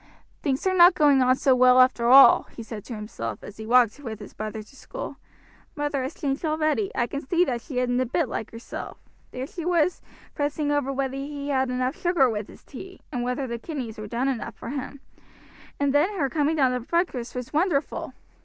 "Things are not going on so well after all," he said to himself as he walked with his brother to school. "Mother has changed already; I can see that she isn't a bit like herself. There she was fussing over whether he had enough sugar with his tea, and whether the kidneys were done enough for him; then her coming down to breakfast was wonderful.